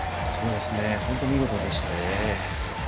本当に見事でしたね。